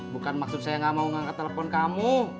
bukan maksud saya gak mau ngangkat telepon kamu